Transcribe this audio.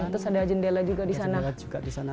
terus ada jendela juga di sana